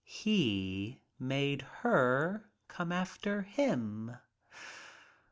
He made her come after him.